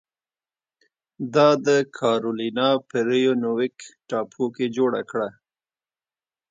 دا د کارولینا په ریونویک ټاپو کې جوړه کړه.